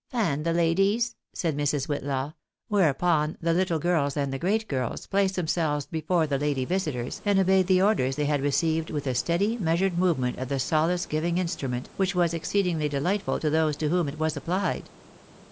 "Fan the ladies," said Mrs. Whitlaw; whereupon the little girls and the great girls, placed themselves before the lady visitors, and obeyed the orders they had received with a steady measured movement of the solace giving instrument, which was exceedingly dehghtful to those to whom it was applied.